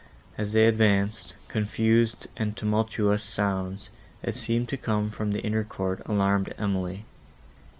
As they advanced, confused and tumultuous sounds, that seemed to come from the inner court, alarmed Emily.